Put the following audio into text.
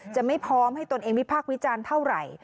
จะไม่พร้อมให้ตนเองวิพากษ์วิจารณ์เท่าไหร่